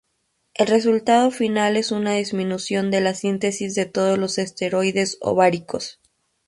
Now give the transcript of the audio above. El resultado final es una disminución de la síntesis de todos los esteroides ováricos.